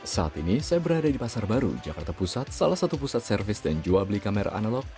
saat ini saya berada di pasar baru jakarta pusat salah satu pusat servis dan jual beli kamera analog